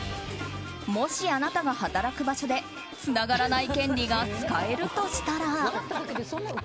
もし、あなたが働く場所でつながらない権利が使えるとしたら。